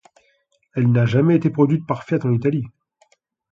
Elle n'a jamais été produite par Fiat en Italie.